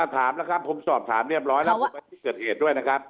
ถามแล้วครับผมสอบถามเรียบร้อยแล้วผมไปที่เกิดเหตุด้วยนะครับ